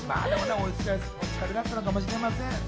お疲れだったのかもしれません。